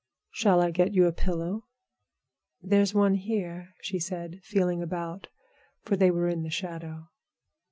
"Shall I get you a pillow?" "There's one here," she said, feeling about, for they were in the shadow.